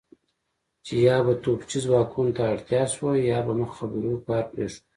چې یا به توپچي ځواکونو ته اړتیا شوه یا به مخابرو کار پرېښود.